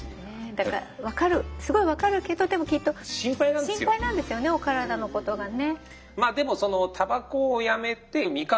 だからわかるすごいわかるけどでもきっと心配なんですよねお体のことがね。